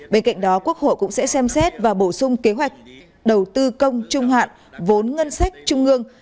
bên cạnh đó quốc hội cũng sẽ xem xét và bổ sung kế hoạch đầu tư công trung hạn vốn ngân sách trung ương